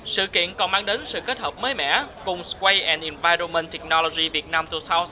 sự kiện còn mang đến sự kết hợp mới mẻ cùng sway environment technology vietnam hai nghìn một mươi tám